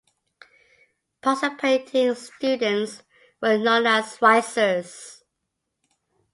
Participating students were known as "risers".